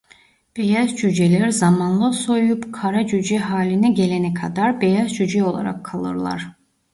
Beyaz cüceler zamanla soğuyup kara cüce hâline gelene kadar beyaz cüce olarak kalırlar.